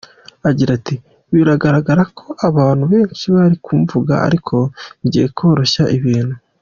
Agira ati “Biragaragara ko abantu benshi bari kumvuga, ariko ngiye koroshya ibintu.